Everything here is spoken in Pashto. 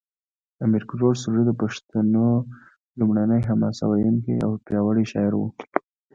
امیر کروړ سوري د پښتو لومړنی حماسه ویونکی او پیاوړی شاعر و